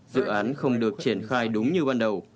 dự án không được triển khai đúng như ban đầu